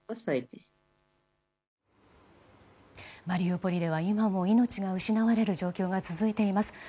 マリウポリでは今も命が失われる状況が続いています。